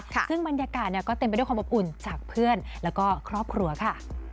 ซึ่งบรรยากาศก็เต็มไปด้วยความอบอุ่นจากเพื่อนแล้วก็ครอบครัวค่ะ